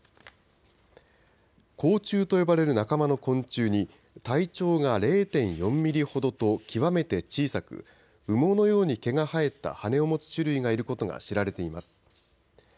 甲虫と呼ばれる仲間の昆虫に体長が０．４ミリほどと極めて小さく羽毛のように毛が生えた羽を持つ種類がいることが知られています。